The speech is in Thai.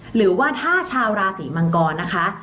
หรือว่าถ้าชาวราศีมังกรนะคะ